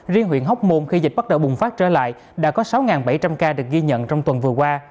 riêng huyện hóc môn khi dịch bắt đầu bùng phát trở lại đã có sáu bảy trăm linh ca được ghi nhận trong tuần vừa qua